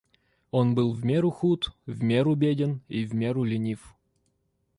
Он был в меру худ, в меру беден и в меру ленив.